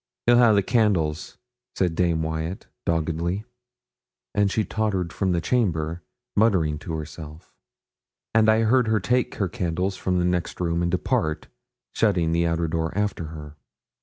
'He'll ha' the candles,' said Dame Wyat, doggedly; and she tottered from the chamber, muttering to herself; and I heard her take her candle from the next room and depart, shutting the outer door after her.